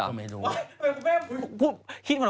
คิดขนาดคนในโซเชียล